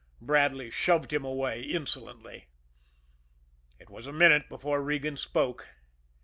Bradley shoved him away insolently. It was a minute before Regan spoke.